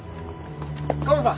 鴨さん。